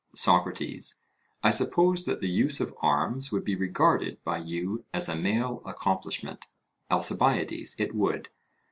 SOCRATES: I suppose that the use of arms would be regarded by you as a male accomplishment? ALCIBIADES: It would.